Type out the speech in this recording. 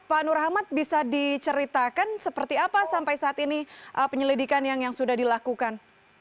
pak nur ahmad bisa diceritakan seperti apa sampai saat ini penyelidikan yang sudah dilakukan